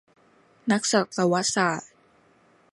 นักสัตวศาสตร์